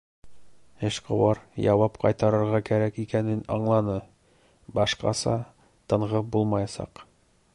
Эшҡыуар яуап ҡайтарырға кәрәк икәнен аңланы, башҡаса тынғы булмаясаҡ.